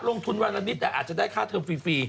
ลงทุนวันละนิดแต่อาจจะได้ค่าเทอมฟรี